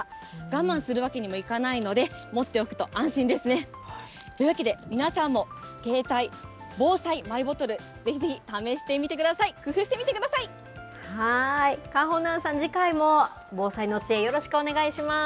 我慢するわけにもいかないので、持っておくと安心ですね。というわけで、皆さんも携帯防災マイボトル、ぜひぜひ試してみてください、工夫かほなんさん、次回も防災のありがとうございました。